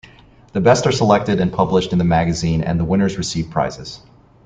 The best are selected and published in the magazine and the winners receive prizes.